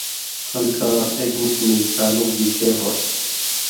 خَلکاں ایک مُت مِلیۡ تعلق گِشے ہو تُھو،